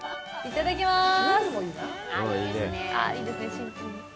いただきます。